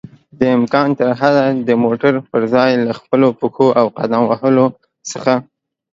دامکان ترحده د موټر پر ځای له خپلو پښو او قدم وهلو څخه